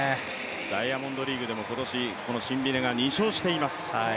ダイヤモンドリーグでも今年、このシンビネが２勝してます。